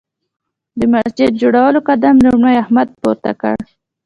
د مسجد جوړولو قدم لومړی احمد پورته کړ.